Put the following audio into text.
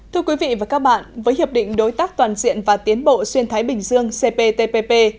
thưa quý vị và các bạn với hiệp định đối tác toàn diện và tiến bộ xuyên thái bình dương cptpp